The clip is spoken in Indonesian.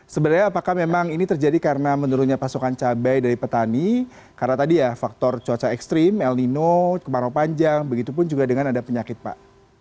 sebenarnya apakah memang ini terjadi karena menurunnya pasokan cabai dari petani karena tadi ya faktor cuaca ekstrim el nino kemarau panjang begitu pun juga dengan ada penyakit pak